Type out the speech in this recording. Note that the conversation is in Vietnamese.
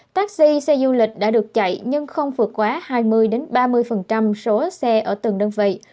taxi xe du lịch đã được chạy nhưng không vượt quá hai mươi ba mươi số xe ở từng đơn vị